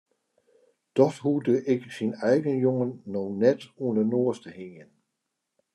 Dat hoegde ik syn eigen jonge no net oan de noas te hingjen.